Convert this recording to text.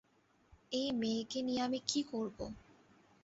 এই মেয়ে কে নিয়ে আমি কী করবো?